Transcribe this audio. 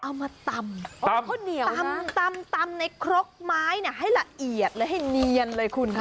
เราจะตำตำในขล็อกไม้ให้ละเอียดให้เนียนเลยคุณค่ะ